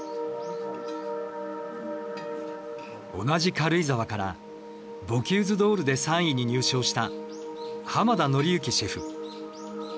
同じ軽井沢からボキューズ・ドールで３位に入賞した浜田統之シェフ。